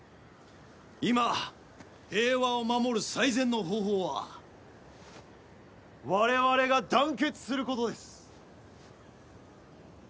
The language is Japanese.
今平和を守る最善の方法は我々が団結することです。